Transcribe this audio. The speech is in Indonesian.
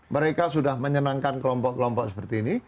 mereka sudah menyenangkan kelompok kelompok seperti ini